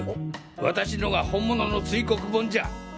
私のが本物の堆黒盆じゃ！